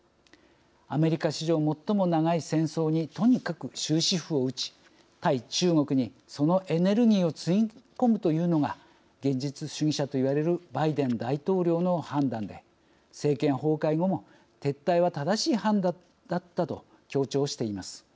アメリカ史上最も長い戦争にとにかく終止符を打ち対中国にそのエネルギーをつぎ込むというのが現実主義者といわれるバイデン大統領の判断で政権崩壊後も撤退は正しい判断だったと強調しています。